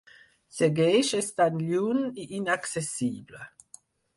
Segueix estant lluny i inaccessible.